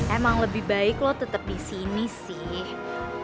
emang lebih baik lo tetep disini sih